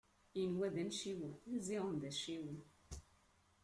Inwa d anciwen, ziɣen d acciwen.